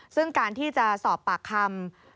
ซึ่งการที่จะสอบปากคำ